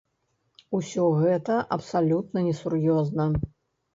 Усё гэта абсалютна несур'ёзна.